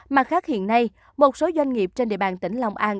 mặt khác hiện nay một số doanh nghiệp trên địa bàn tỉnh long an